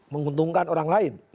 menguntungkan orang lain